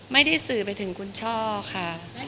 ไม่ได้สื่อไปถึงคุณช่อค่ะ